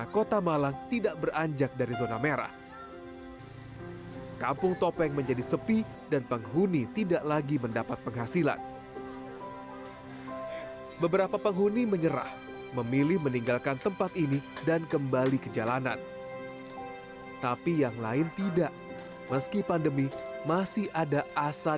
kampung topeng jawa timur